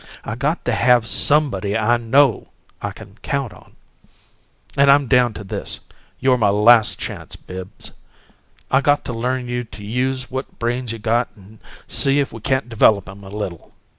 I got to have SOMEBODY I KNOW I can count on. And I'm down to this: you're my last chance. Bibbs, I got to learn you to use what brains you got and see if we can't develop 'em a little.